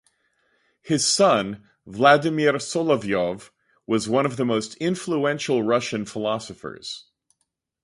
His son Vladimir Solovyov was one of the most influential Russian philosophers.